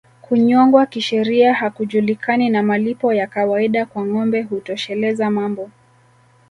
Kunyongwa kisheria hakujulikani na malipo ya kawaida kwa ngombe hutosheleza mambo